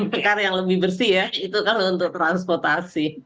itu kan untuk transportasi